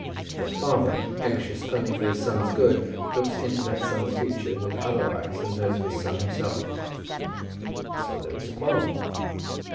The father, anxious only for his son's good, looks into that son's future with other eyes than those of his son himself, and so there is a quarrel.